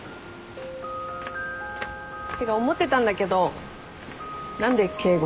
てか思ってたんだけど何で敬語？